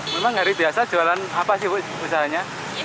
memang hari biasa jualan apa sih bu usahanya